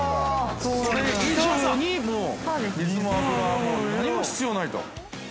◆それ以上に、もう水も油も何も必要ないと。